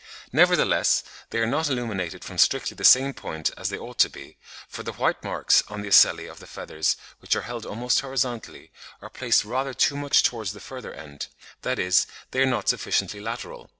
Nevertheless they are not illuminated from strictly the same point as they ought to be; for the white marks on the ocelli of the feathers which are held almost horizontally, are placed rather too much towards the further end; that is, they are not sufficiently lateral.